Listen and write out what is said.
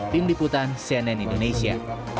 tim liputan cnn indonesia